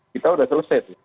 kita sudah selesai